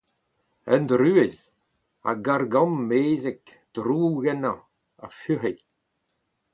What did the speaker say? Un druez. Ha Gargam mezhek, droug ennañ, a fuc’he.